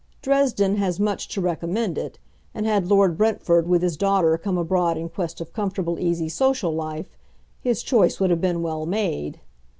Dresden has much to recommend it, and had Lord Brentford with his daughter come abroad in quest of comfortable easy social life, his choice would have been well made.